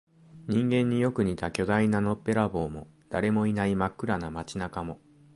人間によく似た巨大なのっぺらぼうも、誰もいない真っ暗な街中も、